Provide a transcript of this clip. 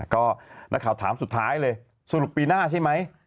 ก็นักข่าวถามสุดท้ายเลยสรุปปีหน้าใช่ไหม